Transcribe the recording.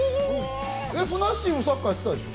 ふなっしーもサッカーやってたでしょ？